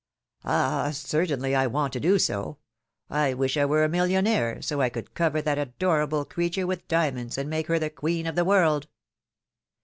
^^ Ah I certainly I want to do so ! I wish I were a niillionnaire, so I could cover that adorable creature with diamonds, and make her the queen of the world.